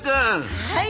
はい。